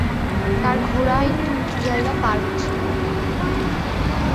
তার ঘোড়া একটু উঁচু জায়গা পার হচ্ছিল।